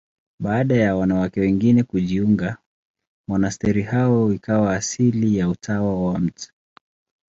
Baada ya wanawake wengine kujiunga, monasteri yao ikawa asili ya Utawa wa Mt.